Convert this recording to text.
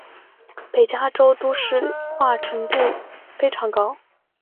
北加州都市化程度非常高。